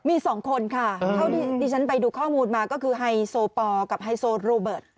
มีสองคนค่ะเท่าที่ดิฉันไปดูข้อมูลมาก็คือไฮโซปอลกับไฮโซโรเบิร์ต